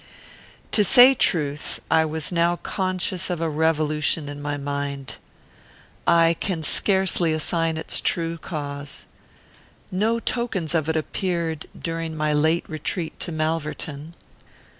To say truth, I was now conscious of a revolution in my mind. I can scarcely assign its true cause. No tokens of it appeared during my late retreat to Malverton.